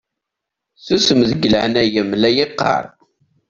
Susem deg leɛnaya-m la yeqqaṛ!